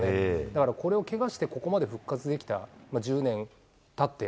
だからこれをけがして、ここまで復活できた、１０年たって。